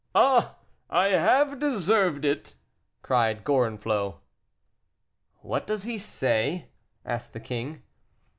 "Ah! I have deserved it," cried Gorenflot. "What does he say?" asked the king.